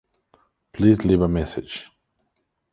Please leave a message!